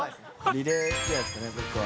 リレーですかね、僕は。